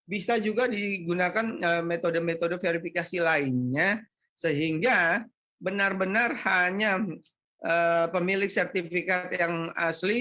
bisa juga digunakan metode metode verifikasi lainnya sehingga benar benar hanya pemilik sertifikat yang asli